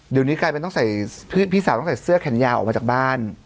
เดี๋ยวนี้กลายเป็นต้องใส่พี่สาวต้องใส่เสื้อแขนยาวออกมาจากบ้าน